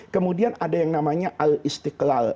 kemudian ada yang namanya al istiqlal